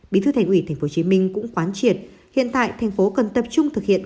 bí thư thành ủy tp hcm cũng khoán triệt hiện tại tp hcm cần tập trung thực hiện